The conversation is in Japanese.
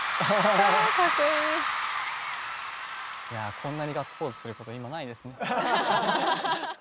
こんなにガッツポーズすること今ないですね。